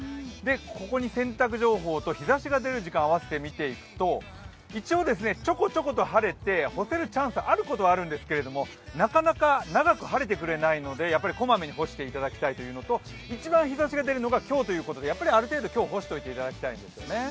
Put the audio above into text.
ここに洗濯情報と日ざしが出る時間をあわせて見ていくと、一応、ちょこちょこと晴れて、干せるチャンス、あることはあるんですけれどもなかなか長く晴れてくれないので小まめに干していただきたいのと一番日ざしが出るのが今日ということで、やはり、ある程度、今日、干しておいてほしいんですよね。